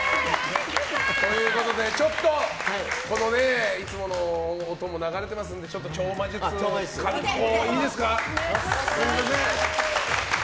ちょっといつもの音も流れていますのでちょっと超魔術をいいですか。